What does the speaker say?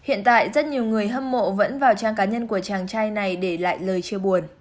hiện tại rất nhiều người hâm mộ vẫn vào trang cá nhân của chàng trai này để lại lời chia buồn